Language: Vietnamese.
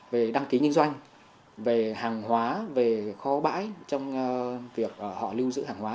về đăng ký nhân doanh về hàng hóa về kho bãi trong việc họ lưu giữ hàng hóa